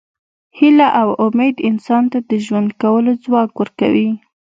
هیله او امید انسان ته د ژوند کولو ځواک ورکوي.